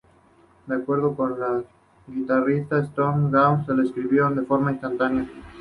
De acuerdo con el guitarrista Stone Gossard, la escribieron de forma instantánea.